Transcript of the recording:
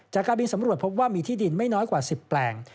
จากการบินสำรวจพบว่ามีที่ดินไม่น้อยกว่า๑๐แปลง